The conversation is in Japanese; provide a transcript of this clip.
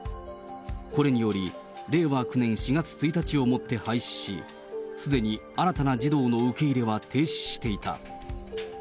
これにより、令和９年４月１日をもって廃止し、すでに新たな児童の受け入れは停止していた。